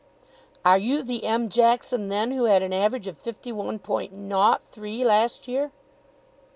"Are you the M. Jackson, then, who had an average of fifty one point nought three last year?"